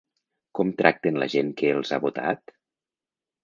Com tracten la gent que els ha votat?